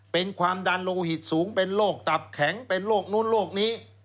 เป็นความดันโลหิตสูงเป็นโรคตับแข็งเป็นโรคนู้นโรคนี้